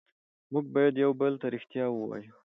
موږ باید یو بل ته ریښتیا ووایو